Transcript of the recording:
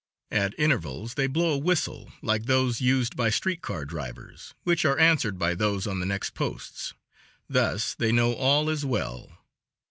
At intervals they blow a whistle like those used by street car drivers, which are answered by those on the next posts; thus they know all is well.